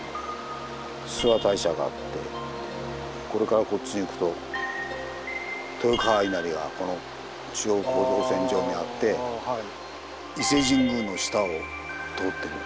諏訪大社があってこれからこっちに行くと豊川稲荷がこの中央構造線上にあって伊勢神宮の下を通ってる。